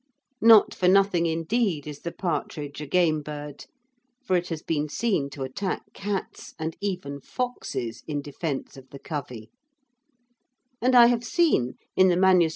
Not for nothing indeed is the partridge a game bird, for it has been seen to attack cats, and even foxes, in defence of the covey; and I have seen, in the MS.